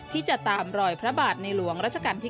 ที่จะตามรอยพระบาทในหลวงรัชกาลที่๙